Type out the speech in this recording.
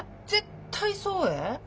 絶対そうえ。